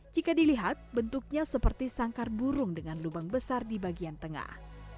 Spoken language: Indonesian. jika dilihat bentuknya seperti sangkar burung dengan lubang besar di bagian tengah